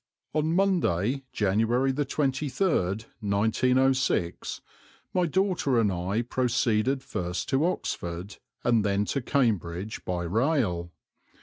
On Monday, January the 23rd, 1906, my daughter and I proceeded first to Oxford, and then to Cambridge by rail.